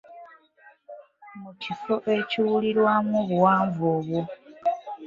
Mu kifo ekiwulirwamu obuwanvu obwo.